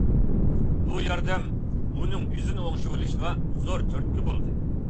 بۇ ياردەم ئۇنىڭ ئۆزىنى ئوڭشىۋېلىشىغا زور تۈرتكە بولدى.